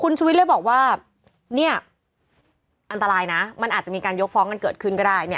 คุณชุวิตเลยบอกว่าเนี่ยอันตรายนะมันอาจจะมีการยกฟ้องกันเกิดขึ้นก็ได้เนี่ย